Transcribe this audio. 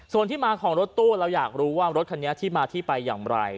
ส่วนที่มาของรถตู้เราอยากรู้ว่ารถคันนี้ที่มาที่ไปอย่างไร